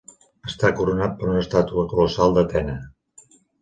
Està coronat per una estàtua colossal d'Atena.